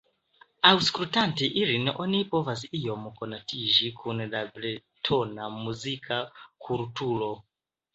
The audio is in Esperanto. Aŭskultante ilin oni povas iom konatiĝi kun la bretona muzika kulturo.